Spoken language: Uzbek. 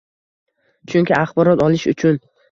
Chunki axborot olish uchun